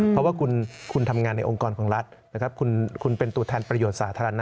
เพราะว่าคุณทำงานในองค์กรของรัฐนะครับคุณเป็นตัวแทนประโยชน์สาธารณะ